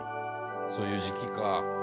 そういう時期か。